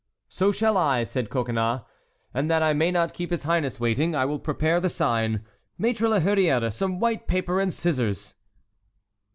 "So shall I," said Coconnas; "and that I may not keep his highness waiting, I will prepare the sign. Maître la Hurière, some white paper and scissors!"